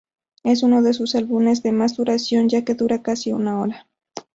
Es uno de sus álbumes de más duración, ya que dura casi una hora.